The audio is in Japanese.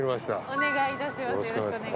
お願いいたします。